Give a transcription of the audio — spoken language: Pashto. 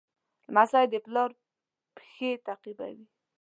لمسی د پلار پېښې تعقیبوي.